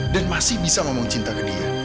dan masih bisa ngomong cinta ke dia